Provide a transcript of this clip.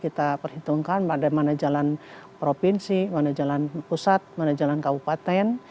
kita perhitungkan mana jalan provinsi mana jalan pusat mana jalan kabupaten